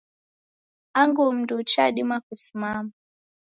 Angu mundu uchadima kusima